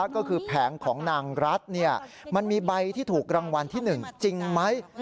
ก็คือแผงของนางรัฐมันมีใบที่ถูกรางวัลที่๑จริงไหม